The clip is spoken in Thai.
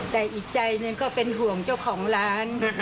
แต่อีกใจก็เป็นห่วงเจ้าของร้าน